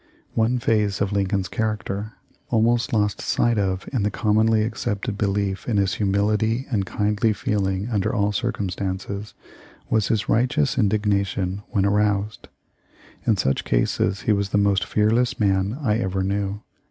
One phase of Lincoln's character, almost lost sight of in the commonly accepted belief in his humility and kindly feeling under all circumstances, was his righteous indignation when aroused. In such cases he was the most fearless man I ever knew.